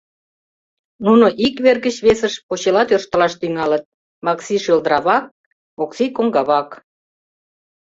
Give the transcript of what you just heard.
Нуно ик вер гыч весыш почела тӧрштылаш тӱҥалыт: Макси — шӧлдыравак, Окси — коҥгавак.